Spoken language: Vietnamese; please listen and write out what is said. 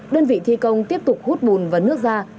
đơn vị thi công tiếp tục hút bùn và nước ra